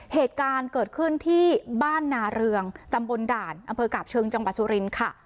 เหตุการณ์เกิดขึ้นที่บ้านนาเรืองตำบลด่านอำเภอกาบเชิงจังหวัดสุรินทร์ค่ะ